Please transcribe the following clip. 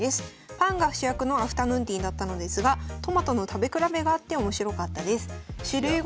パンが主役のアフタヌーンティーだったのですがトマトの食べ比べがあって面白かったです。